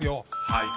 ［はい。